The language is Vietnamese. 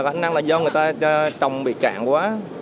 khả năng là do người ta trồng bị cạn quá